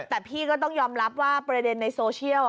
แต่พี่ก็ต้องยอมรับว่าประเด็นในโซเชียล